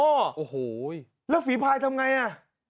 โอ้โหแล้วฝีพายทำไงอ่ะ